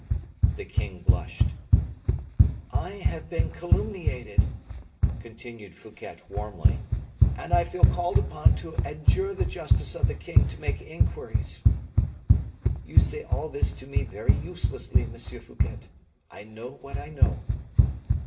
The king blushed. "I have been calumniated," continued Fouquet, warmly, "and I feel called upon to adjure the justice of the king to make inquiries." "You say all this to me very uselessly, Monsieur Fouquet; I know what I know."